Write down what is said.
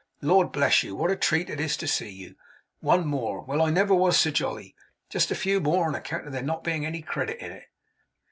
Lord bless you, what a treat it is to see you! One more! Well, I never was so jolly. Just a few more, on account of there not being any credit in it!